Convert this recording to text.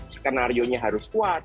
skenarionya harus kuat